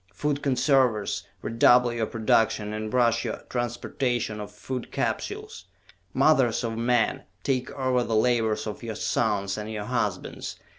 "Food Conservers, redouble your production and rush your transportation of Food Capsules! "Mothers of men, take over the labors of your sons and your husbands!